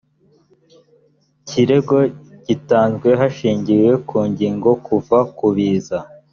kirego gitanzwe hashingiwe ku ngingo kuva kubiza